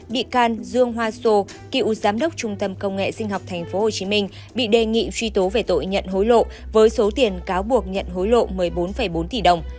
bị can dương hoa sô cựu giám đốc trung tâm công nghệ sinh học tp hcm bị đề nghị truy tố về tội nhận hối lộ với số tiền cáo buộc nhận hối lộ một mươi bốn bốn tỷ đồng